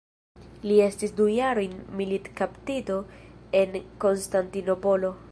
Li estis du jarojn militkaptito en Konstantinopolo.